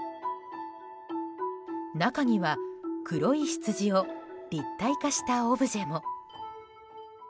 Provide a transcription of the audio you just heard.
中には黒いヒツジを立体化したオブジェも。